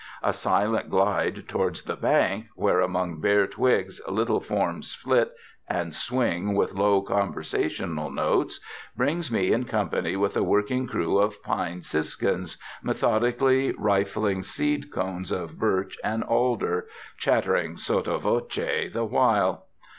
A silent glide towards the bank, where among bare twigs little forms flit and swing with low conversational notes, brings me in company with a working crew of pine siskins, methodically rifling seed cones of birch and alder, chattering sotto voce the while.